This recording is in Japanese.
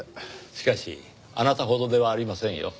しかしあなたほどではありませんよ。